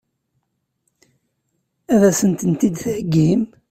Ad sent-ten-id-theggim?